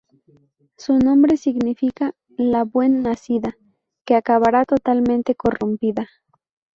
Su nombre significa "la buen nacida", que acabará totalmente corrompida.